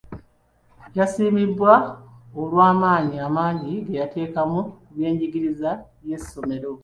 Yasiimibwa olw'amaanyi amangi ge yateekamu ku by'enjigiriza y'essomero.